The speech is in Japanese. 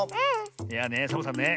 いやねサボさんね